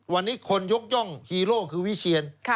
วันนี้คนยกย่องฮีโร่คือวิเชียน